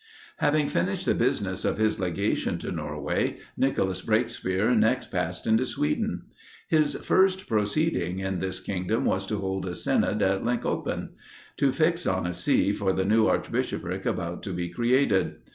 Having finished the business of his legation to Norway, Nicholas Breakspere next passed into Sweden. His first proceeding in this kingdom was to hold a synod at Lingkopin; to fix on a see for the new archbishopric about to be created.